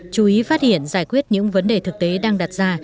chú ý phát hiện giải quyết những vấn đề thực tế đang đặt ra